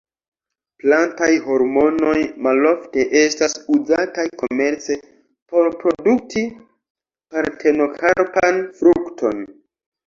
Plantaj hormonoj malofte estas uzataj komerce por produkti partenokarpan frukton.